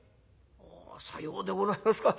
「さようでございますか。